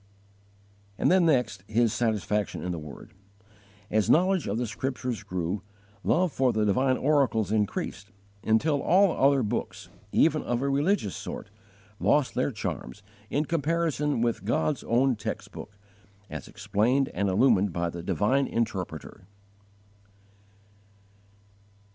8. His satisfaction in the Word. As knowledge of the Scriptures grew, love for the divine oracles increased, until all other books, even of a religious sort, lost their charms in comparison with God's own text book, as explained and illumined by the divine Interpreter.